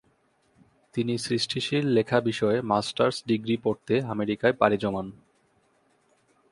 তিনি সৃষ্টিশীল লেখা বিষয়ে মাস্টার্স ডিগ্রি পড়তে আমেরিকায় পাড়ি জমান।